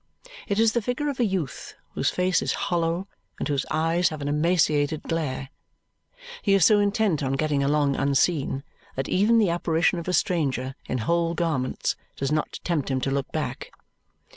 It is the figure of a youth whose face is hollow and whose eyes have an emaciated glare. He is so intent on getting along unseen that even the apparition of a stranger in whole garments does not tempt him to look back.